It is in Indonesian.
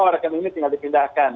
rekening ini tinggal dipindahkan